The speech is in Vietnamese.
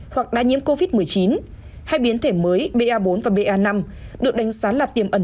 hoặc đã nhiễm covid một mươi chín hai biến thể mới ba bốn và ba năm được đánh giá là tiềm ẩn